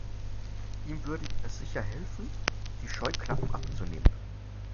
Ihm würde es sicher helfen, die Scheuklappen abzunehmen.